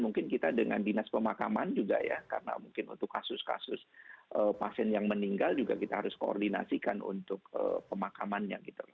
mungkin kita dengan dinas pemakaman juga ya karena mungkin untuk kasus kasus pasien yang meninggal juga kita harus koordinasikan untuk pemakamannya gitu